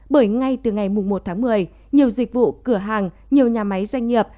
bởi ngay từ ngày một tháng một mươi nhiều dịch vụ cửa hàng nhiều nhà máy doanh nghiệp